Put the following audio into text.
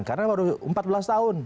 karena baru empat belas tahun